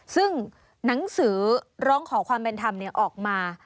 ซึ่งหนังสือร้องขอความเป็นธรรมออกมา